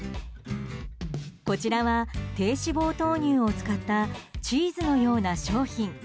こちらは、低脂肪豆乳を使ったチーズのような商品。